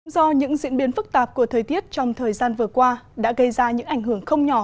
do những diễn biến phức tạp của thời tiết trong thời gian vừa qua đã gây ra những ảnh hưởng không nhỏ